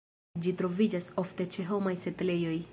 Ĝi troviĝas ofte ĉe homaj setlejoj.